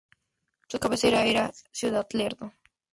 Su cabecera era Ciudad Lerdo.